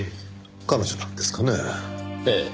ええ。